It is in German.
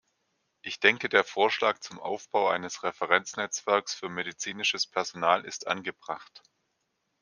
Ich denke, der Vorschlag zum Aufbau eines Referenznetzwerks für medizinisches Personal ist angebracht.